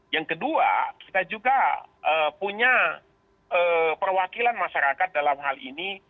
yang kedua kita juga punya perwakilan masyarakat dalam hal ini